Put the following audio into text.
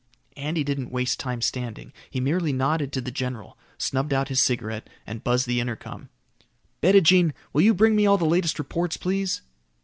Andy didn't waste time standing. He merely nodded to the general, snubbed out his cigarette, and buzzed the intercom. "Bettijean, will you bring me all the latest reports, please?"